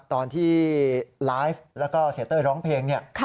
ตอนที่ไลฟ์แล้วก็เสียเต้ยร้องเพลงเนี่ย